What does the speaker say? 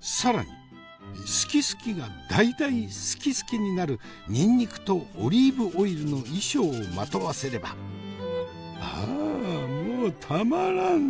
更に好き好きが大大好き好きになるにんにくとオリーブオイルの衣装をまとわせればああもうたまらんな！